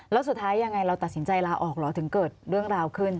แล้วสุดท้ายยังไงเราตัดสินใจลาออกเหรอถึงเกิดเรื่องราวขึ้น